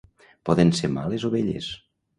Poden ser males o belles.